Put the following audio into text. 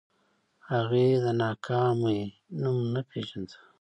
هغې د ناکامۍ نوم نه پېژانده